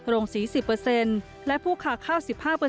โรง๔๐และผู้ค้าข้าว๑๕